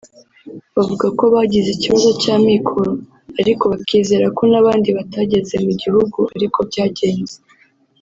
Bavuga ko bagize ikibazo cy’amikoro ariko bakizera ko n’abandi batageze mu gihugu ariko byagenze